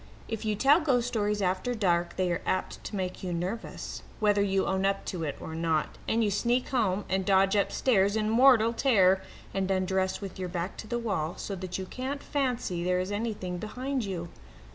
If you tell ghost stories after dark they are apt to make you nervous, whether you own up to it or not, and you sneak home and dodge upstairs in mortal terror, and undress with your back to the wall, so that you can't fancy there is anything behind you.